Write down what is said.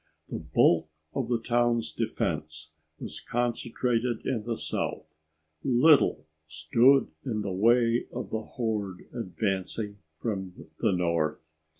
The bulk of the town's defense was concentrated in the south. Little stood in the way of the horde advancing from the north.